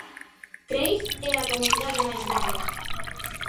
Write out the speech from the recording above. Craig é a comunidade máis grande.